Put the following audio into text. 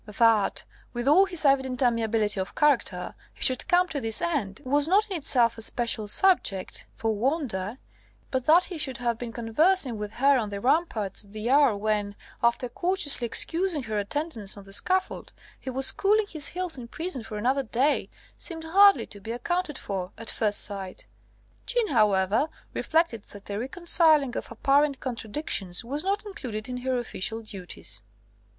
That, with all his evident amiability of character, he should come to this end, was not in itself a special subject for wonder; but that he should have been conversing with her on the ramparts at the hour when after courteously excusing her attendance on the scaffold he was cooling his heels in prison for another day, seemed hardly to be accounted for, at first sight. Jeanne, however, reflected that the reconciling of apparent contradictions was not included in her official duties.